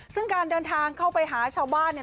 ซึ่งการเดินทางเข้าไปหาชาวบ้านเนี่ย